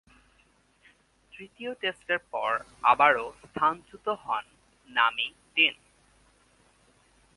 তৃতীয় টেস্টের পর আবারও স্থানচ্যুত হন নামি ডিন।